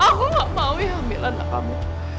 aku gak mau hamil anak kamu